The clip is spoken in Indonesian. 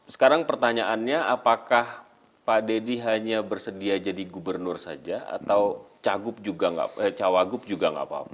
sekarang pertanyaannya apakah pak deddy hanya bersedia jadi gubernur saja atau cawagup juga nggak apa apa